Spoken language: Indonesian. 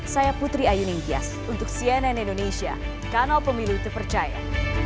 saya putri ayu ningtyas untuk cnn indonesia kanal pemilu terpercaya